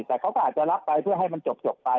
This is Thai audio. แต่เขาก็อาจจะรับไปเพื่อให้มันจบไป